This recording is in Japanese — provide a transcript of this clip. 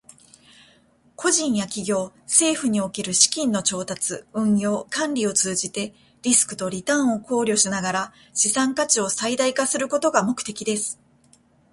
個人や企業、政府における資金の調達、運用、管理を通じて、リスクとリターンを考慮しながら資産価値を最大化することが目的です。